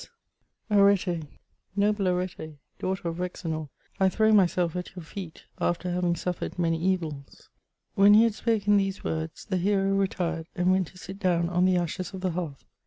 u 270 MEMOIBS OP Arete: —Noble Ajrete* daughter of Rexenor, I throw mjaelf at your feet, after having suffered many eyila/' Vi^hen he had spoken these words, the hero retired and went to sit down on the ashes of the hearth.